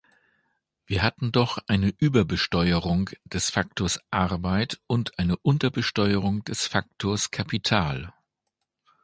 Wir hatten doch eine Überbesteuerung des Faktors Arbeit und eine Unterbesteuerung des Faktors Kapital.